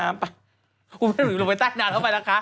เขาทำไมมันลงเต้นไปใต้น้ำเข้าไปนะคะ